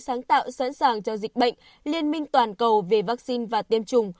sáng tạo sẵn sàng cho dịch bệnh liên minh toàn cầu về vaccine và tiêm chủng